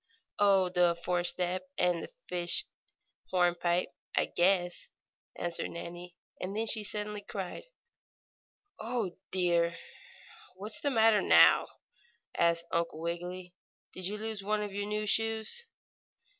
"Oh, the four step and the fish hornpipe, I guess," answered Nannie, and then she suddenly cried: "Oh, dear!" "What's the matter now?" asked Uncle Wiggily. "Did you lose one of your new shoes?"